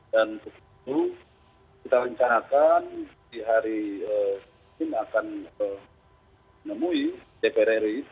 dan kemudian kita rencanakan di hari ini akan menemui dpr ri